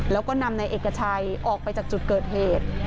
แล้วก็นำนายเอกชัยออกไปจากจุดเกิดเหตุ